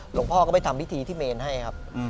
หลวงพ่อก็ไปทำพิธีที่เมนให้ครับ